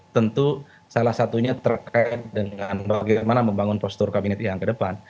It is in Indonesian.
tentu salah satunya terkait dengan bagaimana membangun postur kabinet yang ke depan